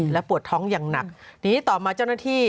และปวดท้องอย่างหนักทีนี้ต่อมาเจ้าหน้าที่